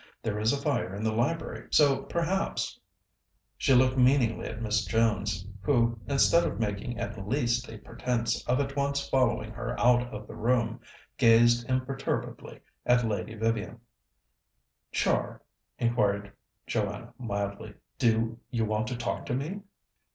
There is a fire in the library, so perhaps " She looked meaningly at Miss Jones, who, instead of making at least a pretence of at once following her out of the room, gazed imperturbably at Lady Vivian. "Char," inquired Joanna mildly, "do you want to talk to me?"